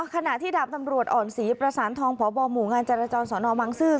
ขณะที่ดาบตำรวจอ่อนศรีประสานทองพบหมู่งานจรจรสนบังซื้อ